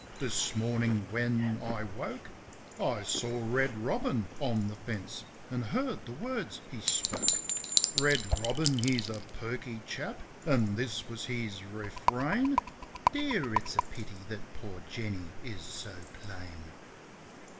This mornin' when I woke I saw red robin on the fence, an' heard the words he spoke. Red robin, he's a perky chap, an' this was his refrain : "Dear, it's a pity that poor Jenny is so plain."